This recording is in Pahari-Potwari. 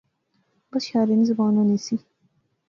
بس شارے نی زبان ہونی سی